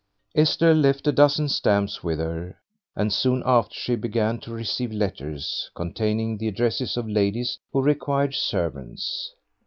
Esther left a dozen stamps with her, and soon after she began to receive letters containing the addresses of ladies who required servants.